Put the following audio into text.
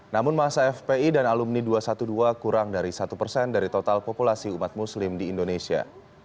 namun masa fpi dan alumni dua ratus dua belas kurang dari satu persen dari total populasi umat muslim di indonesia